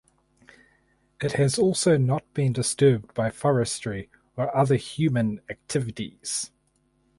It has also not been disturbed by forestry or other human activities.